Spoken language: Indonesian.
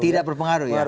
tidak berpengaruh ya